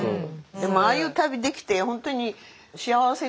でもああいう旅できてほんとに幸せですよね。